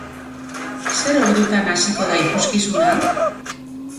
Zer ordutan hasiko da ikuskizuna?